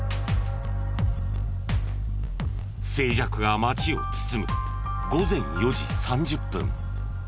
静寂が街を包む午前４時３０分。